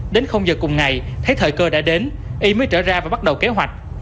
đến giờ cùng ngày thấy thời cơ đã đến y mới trở ra và bắt đầu kế hoạch